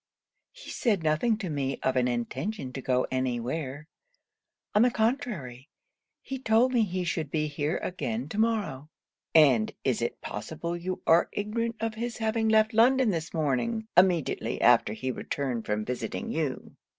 He said nothing to me of an intention to go any where; on the contrary, he told me he should be here again to morrow.' 'And is it possible you are ignorant of his having left London this morning, immediately after he returned from visiting you?'